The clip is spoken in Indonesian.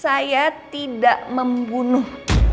saya tidak membunuh